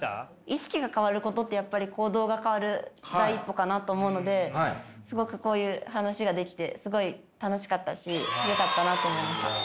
意識が変わることってやっぱり行動が変わる第一歩かなと思うのですごくこういう話ができてすごい楽しかったしよかったなと思いました。